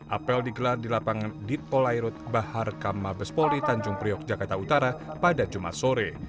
apel digelar di lapangan ditpolairut baharkamabespoli tanjung priok jakarta utara pada jumat sore